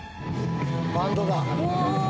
バンドだ。